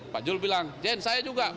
pak jul bilang jen saya juga